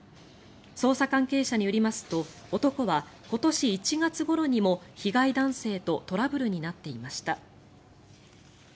捜査関係者によりますと男は今年１月ごろにも被害男性とトラブルになっていました。